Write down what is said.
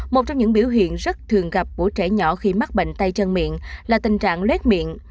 một trong những biểu hiện rất thường gặp của trẻ nhỏ khi mắc bệnh tay chân miệng là tình trạng lết miệng